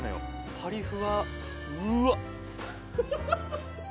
パリふわうわっ！